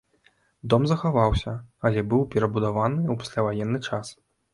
Дом захаваўся, але быў перабудаваны ў пасляваенны час.